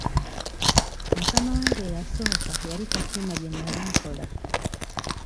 Mukama wange eyasooka yali tasiima bye nali nkola.